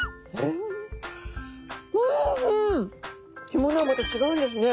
干物はまたちがうんですね。